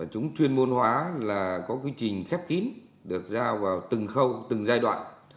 chúng chuyên môn hóa là có quy trình khép kín được giao vào từng khâu từng giai đoạn